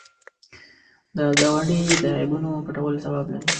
د ګاونډي د عیبونو پټول ثواب لري